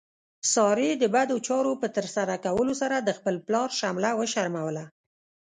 سارې د بدو چارو په ترسره کولو سره د خپل پلار شمله وشرموله.